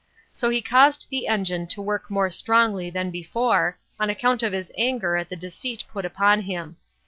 So he caused the engine to work more strongly than before, on account of his anger at the deceit put upon him.